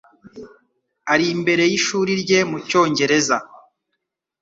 Ari imbere yishuri rye mucyongereza.